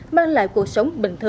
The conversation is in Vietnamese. mang lại cuộc sống đẹp và hạnh phúc